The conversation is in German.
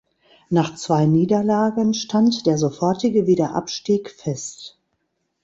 Nach zwei Niederlagen stand der sofortige Wiederabstieg fest.